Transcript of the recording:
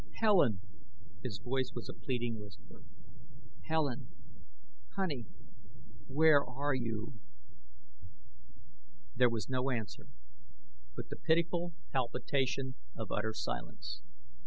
"Helen!" His voice was a pleading whisper. "Helen, honey, where are you?" There was no answer but the pitiful palpitation of utter silence.